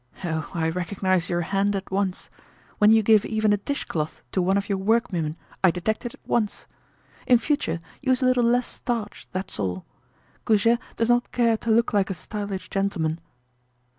Oh! I recognize your hand at once. When you give even a dish cloth to one of your workwomen I detect it at once. In future, use a little less starch, that's all! Goujet does not care to look like a stylish gentleman."